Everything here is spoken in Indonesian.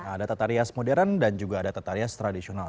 ada tetarias modern dan juga ada tetarias tradisional